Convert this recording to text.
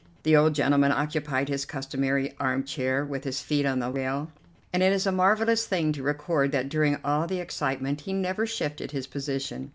The old gentleman occupied his customary armchair with his feet on the rail, and it is a marvellous thing to record that during all the excitement he never shifted his position.